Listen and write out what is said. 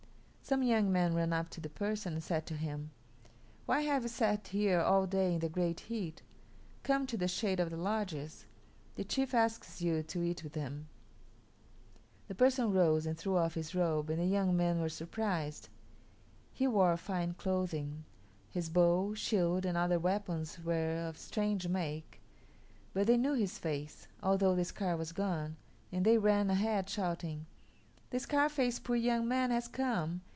Some young men ran up to the person and said to him, "Why have you sat here all day in the great heat? Come to the shade of the lodges. The chief asks you to eat with him." The person rose and threw off his robe and the young men were surprised. He wore fine clothing; his bow, shield, and other weapons were of strange make; but they knew his face, although the scar was gone, and they ran ahead, shouting, "The Scarface poor young man has come.